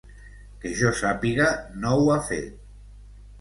Que jo sàpiga, no ho ha fet.